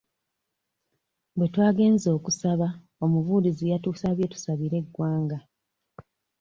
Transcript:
Bwe twagenze okusaba omubuulizi yatusabye tusabire eggwanga